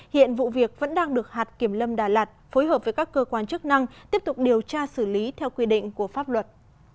hiện vụ việc vẫn đang được hạt kiểm lâm đà lạt phối hợp với các cơ quan chức năng tiếp tục điều tra xử lý theo quy định của pháp luật